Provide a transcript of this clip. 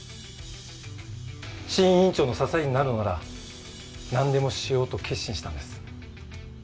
新院長の支えになるのならなんでもしようと決心したんです。